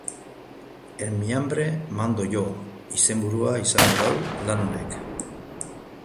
En mi hambre mando yo izenburua izango du lan honek.